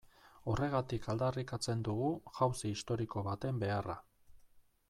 Horregatik aldarrikatzen dugu jauzi historiko baten beharra.